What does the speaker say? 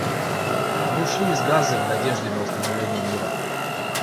Мы ушли из Газы в надежде на установление мира.